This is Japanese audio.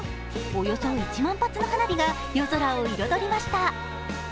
およそ１万発の花火が夜空を彩りました。